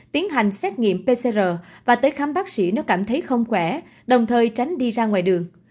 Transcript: tiến hành xét nghiệm pcr và tới khám bác sĩ nếu cảm thấy không khỏe đồng thời tránh đi ra ngoài đường